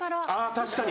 確かに！